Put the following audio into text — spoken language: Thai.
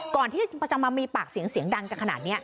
ก่อนที่จะมามีปากเสียงเสียงดังกันขนาดนี้